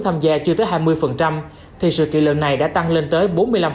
tham gia chưa tới hai mươi thì sự kiện lần này đã tăng lên tới bốn mươi năm